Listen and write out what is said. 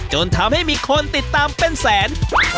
จนทำให้มีคนติดตามเป็นแสน